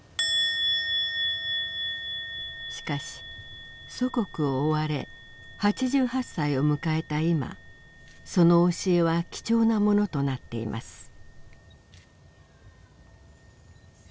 しかし祖国を追われ８８歳を迎えた今その教えは貴重なものとなっています。